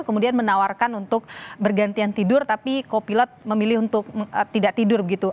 kemudian menawarkan untuk bergantian tidur tapi kopilot memilih untuk tidak tidur gitu